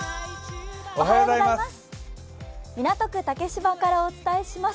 港区竹芝からお伝えします。